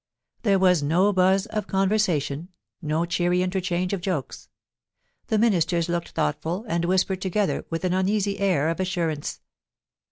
There was no buzz of conversation^no cheery interchange of jokes. The Ministers looked thought ful, and whispered t<^ether with an uneasy air cf assurance.